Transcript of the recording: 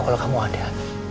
kalau kamu ada